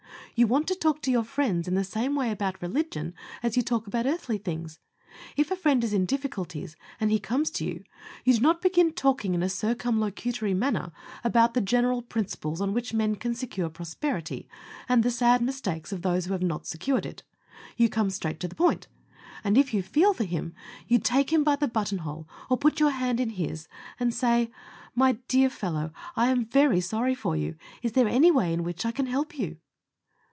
You want to talk to your friends in the same way about religion, as you talk about earthly things. If a friend is in difficulties, and he comes to you, you do not begin talking in a circumlocutory manner about the general principles on which men can secure prosperity, and the sad mistakes of those who have not secured it; you come straight to the point, and, if you feel for him, you take him by the button hole, or put your hand in his, and say, "My dear fellow, I am very sorry for you; is there any way in which I can help you?"